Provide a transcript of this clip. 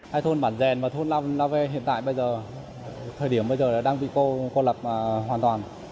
hai thôn bản dèn và thôn la vê hiện tại bây giờ thời điểm bây giờ đang bị cô lập hoàn toàn